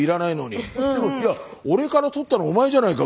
でもいや俺から取ったのお前じゃないか。